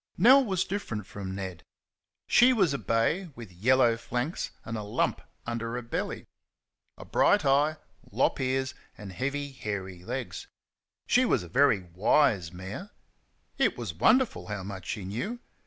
Nell was different from Ned. She was a bay, with yellow flanks and a lump under her belly; a bright eye, lop ears, and heavy, hairy legs. She was a very wise mare. It was wonderful how much she know.